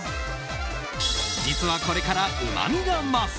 実はこれからうまみが増す